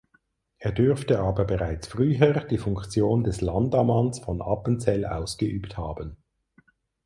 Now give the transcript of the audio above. Er dürfte aber bereits früher die Funktion des Landammanns von Appenzell ausgeübt haben.